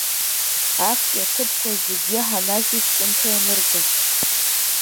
Актәи аҭыԥқәа зегь Ҳанашә иҷкәынцәа ианыргаз?!